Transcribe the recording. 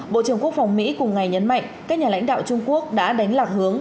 bộ trưởng quốc phòng mỹ cùng ngày nhấn mạnh các nhà lãnh đạo trung quốc đã đánh lạc hướng